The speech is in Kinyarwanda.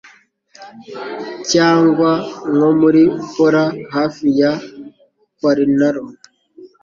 cyangwa nko muri Pola hafi ya Quarnaro